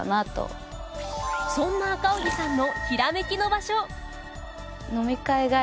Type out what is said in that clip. そんな赤荻さんの。